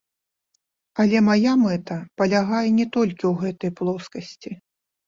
Але мая мэта палягае не толькі ў гэтай плоскасці.